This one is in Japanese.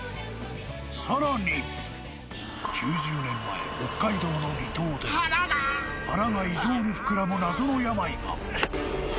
更に９０年前、北海道の離島で腹が異常にふくらむ謎の病が。